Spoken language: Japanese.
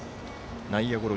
内野ゴロ